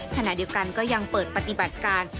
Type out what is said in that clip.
ขณะเดียวกันก็ยังเปิดปฏิบัติการ